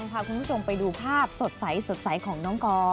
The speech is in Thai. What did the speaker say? พาคุณผู้ชมไปดูภาพสดใสของน้องกอ